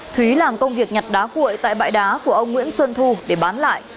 thúy làm công việc nhặt đá cuội tại bãi đá của ông nguyễn xuân thu để bán lại